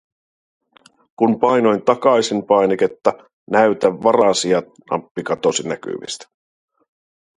Kun painoin takaisin-painiketta, näytä varasijat -nappi katosi näkyvistä.